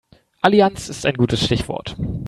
Allianz ist ein gutes Stichwort.